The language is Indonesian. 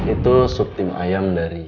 itu sudut timta ayam dari